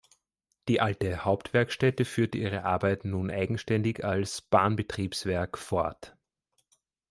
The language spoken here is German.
Die alte Hauptwerkstätte führte ihre Arbeiten nun eigenständig als „Bahnbetriebswerk“ fort.